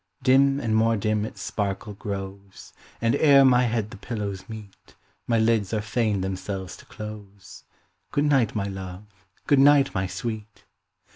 Dim and more dim its sparkle grows, And ere my head the pillows meet, My lids are fain themselves to close. Good night, my love! good night, my sweet!